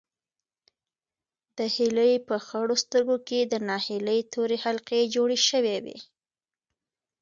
د هیلې په خړو سترګو کې د ناهیلۍ تورې حلقې جوړې شوې وې.